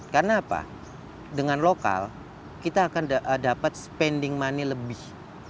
karena apa dengan lokal kita akan dapat spending money lebih